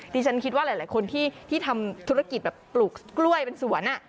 ดิฉันคิดว่าหลายคนที่ทำธุรกิจแบบปลูกกล้วยเป็นสวน